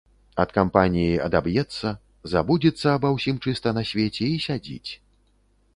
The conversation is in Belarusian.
Ад кампаніі адаб'ецца, забудзецца аба ўсім чыста на свеце і сядзіць.